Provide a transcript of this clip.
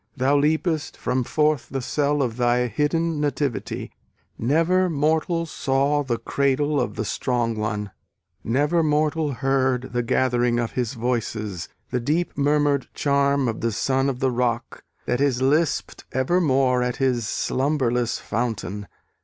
Thou leapest from forth The cell of thy hidden nativity; Never mortal saw The cradle of the strong one; Never mortal heard The gathering of his voices; The deep murmur'd charm of the son of the rock, That is lisped evermore at his slumberless fountain.